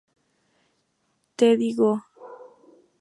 Teddy Go!